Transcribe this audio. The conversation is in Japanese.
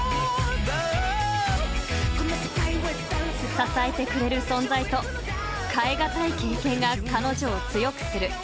［支えてくれる存在と代え難い経験が彼女を強くする］